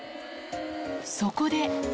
そこで。